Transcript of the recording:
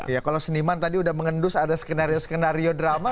ya kalau seniman tadi udah mengendus ada skenario skenario drama